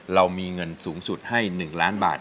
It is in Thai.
เรามีเงินสูงสุดให้๑ล้านบาท